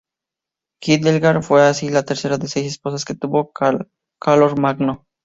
Hildegard fue así la tercera de las seis esposas que tuvo Carlomagno.